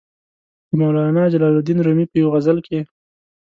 د مولانا جلال الدین رومي په یوې غزل کې.